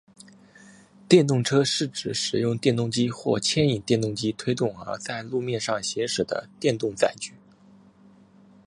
电动车是指使用电动机或牵引电动机推动而在路面上行驶的电动载具。